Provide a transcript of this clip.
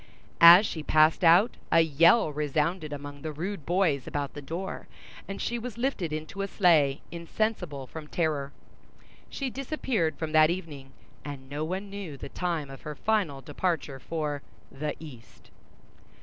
As she passed out, a yell resounded among the rude boys about the door, and she was lifted into a sleigh, insensible from terror. She disappeared from that evening, and no one knew the time of her final departure for "the east."